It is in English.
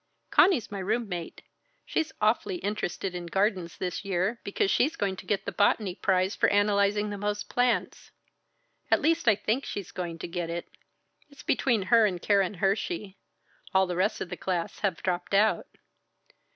"Conny's my room mate. She's awfully interested in gardens this year, because she's going to get the botany prize for analyzing the most plants at least, I think she's going to get it. It's between her and Keren Hersey; all the rest of the class have dropped out.